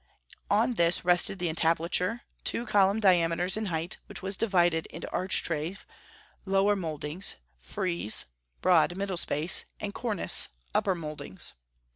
On this rested the entablature, two column diameters in height, which was divided into architrave (lower mouldings), frieze (broad middle space), and cornice (upper mouldings).